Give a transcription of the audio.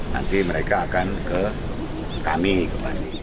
nanti mereka akan ke komite banding ini